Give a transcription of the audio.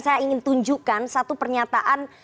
saya ingin tunjukkan satu pernyataan